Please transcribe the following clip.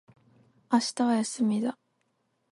明日は休みだ